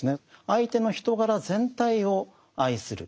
相手の人柄全体を愛する。